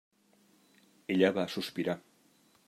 Ella va sospirar.